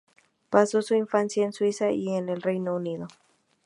Pasó su infancia en Suiza y en el Reino Unido.